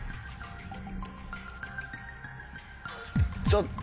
ちょっと。